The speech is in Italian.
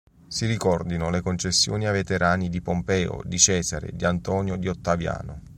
Si ricordino le concessioni ai veterani di Pompeo, di Cesare, di Antonio, di Ottaviano.